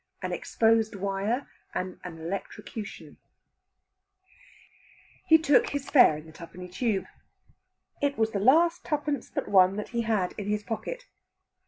AN EXPOSED WIRE, AND AN ELECTROCUTION He took his fare in the Twopenny Tube. It was the last twopence but one that he had in his pocket.